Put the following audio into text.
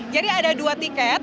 jadi ada dua tiket